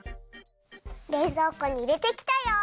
れいぞうこにいれてきたよ。